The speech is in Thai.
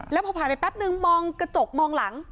แล้วพอผ่านไปแป๊บนึงมองกระจกมองหลัง